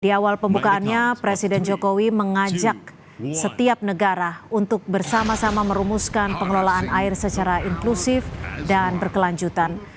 di awal pembukaannya presiden jokowi mengajak setiap negara untuk bersama sama merumuskan pengelolaan air secara inklusif dan berkelanjutan